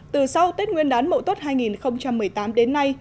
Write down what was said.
từ sau tết nguyên đán mậu tuất hai nghìn một mươi tám đến nay